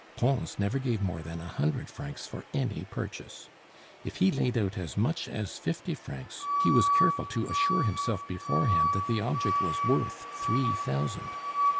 Pons never gave more than a hundred francs for any purchase. If he laid out as much as fifty francs, he was careful to assure himself beforehand that the object was worth three thousand.